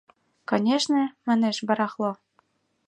— Конечно, манеш, барахло.